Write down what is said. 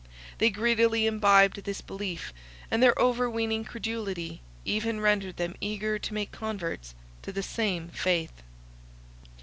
They greedily imbibed this belief; and their over weening credulity even rendered them eager to make converts to the same faith.